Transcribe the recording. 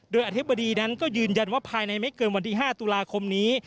โดยอธิบดีนั้นก็ยืนยันว่าภายในไม่เกินวันที่๕ตุลาคมนี้